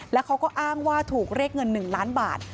แล้วเขาก็อ้างว่าถูกเรียกเงิน๑ล้านบาท